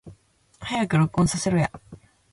早く録音させろや